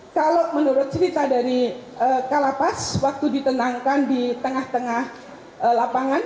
kalau menurut cerita dari kalapas waktu ditenangkan di tengah tengah lapangan